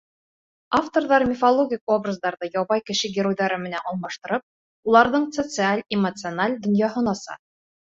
Авторҙар мифологик образдарҙы ябай кеше геройҙары менән алмаштырып, уларҙың социаль, эмоциональ донъяһын аса.